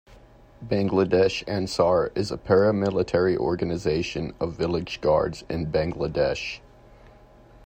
Bangladesh Ansar is a para-military organization of Village Guards in Bangladesh.